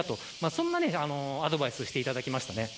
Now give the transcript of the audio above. そんなアドバイスをしていただきました。